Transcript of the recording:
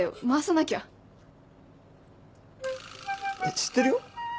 知ってるよ。